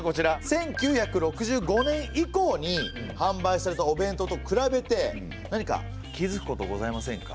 １９６５年以降にはんばいされたお弁当と比べて何か気付くことございませんか？